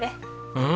うん。